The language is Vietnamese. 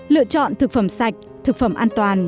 lựa chọn thực phẩm sạch thực phẩm an toàn